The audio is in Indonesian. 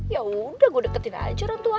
yaudah gue deketin aja orang tuanya